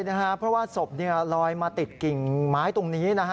ใช่นะครับเพราะว่าศพลอยมาติดกิ่งไม้ตรงนี้